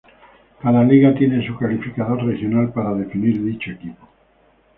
Cada liga tiene su calificador regional para definir dicho equipo.